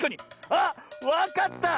あっわかった！